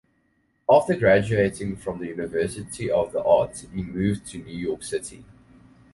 After graduating from the University of the Arts, he moved to New York City.